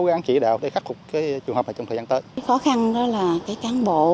gắng chỉ đạo để khắc phục cái trường hợp này trong thời gian tới cái khó khăn đó là cái cán bộ